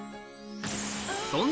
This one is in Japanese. そんな